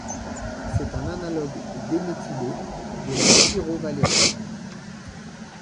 C'est un analogue déméthylé de la pyrovalérone.